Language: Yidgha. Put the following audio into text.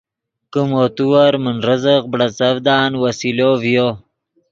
کہ مو تیور من رزق بڑیڅڤدان وسیلو ڤیو